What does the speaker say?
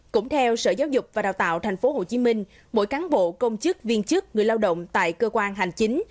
cũng theo sở giáo dục và đào tạo tp hcm mỗi cán bộ công chức viên chức người lao động tại cơ quan hành chính